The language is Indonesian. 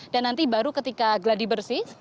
dan nanti baru ketika geladi bersih